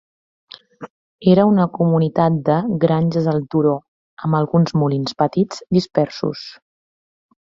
Era una comunitat de "granges al turó", amb alguns molins petits dispersos.